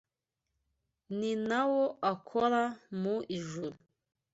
ni na wo akora mu ijuru